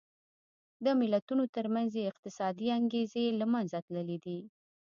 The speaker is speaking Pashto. د ملتونو ترمنځ یې اقتصادي انګېزې له منځه تللې دي.